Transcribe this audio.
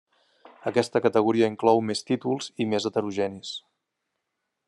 Aquesta categoria inclou més títols i més heterogenis.